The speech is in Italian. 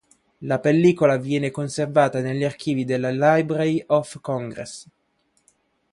La pellicola viene conservata negli archivi della Library of Congress.